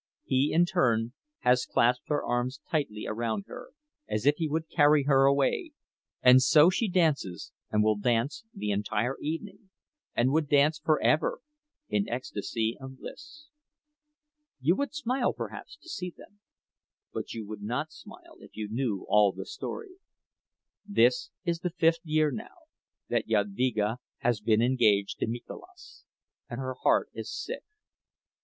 He in turn has clasped his arms tightly around her, as if he would carry her away; and so she dances, and will dance the entire evening, and would dance forever, in ecstasy of bliss. You would smile, perhaps, to see them—but you would not smile if you knew all the story. This is the fifth year, now, that Jadvyga has been engaged to Mikolas, and her heart is sick.